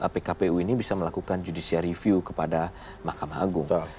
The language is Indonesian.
pkpu ini bisa melakukan judicial review kepada mahkamah agung